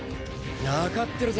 分かってるぜ。